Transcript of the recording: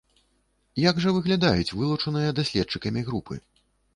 Як жа выглядаюць вылучаныя даследчыкамі групы?